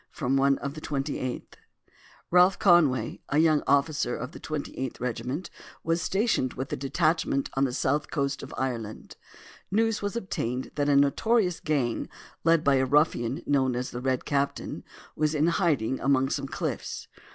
* *FROM "ONE OF THE 28TH."* [Ralph Conway, a young officer of the 28th Regiment, was stationed with a detachment on the south coast of Ireland. News was obtained that a notorious gang, led by a ruffian known as the Red Captain, was in hiding among some cliffs.